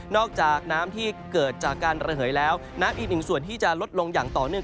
จากน้ำที่เกิดจากการระเหยแล้วน้ำอีกหนึ่งส่วนที่จะลดลงอย่างต่อเนื่อง